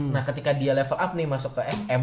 nah ketika dia level up nih masuk ke sm